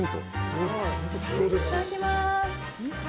いただきまーす。